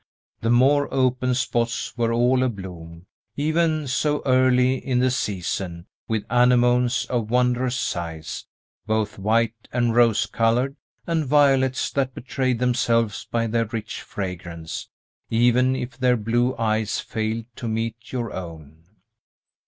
The more open spots were all abloom, even so early in the season, with anemones of wondrous size, both white and rose colored, and violets that betrayed themselves by their rich fragrance, even if their blue eyes failed to meet your own.